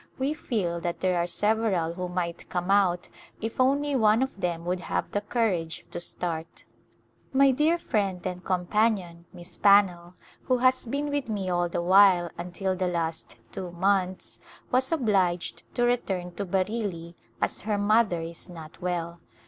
We feel that there are several who might come out if only one of them would have the courage to start. My dear friend and companion, Miss Pannell, who has been with me all the while until the last two months, was obliged to return to Bareilly as her mother is not well.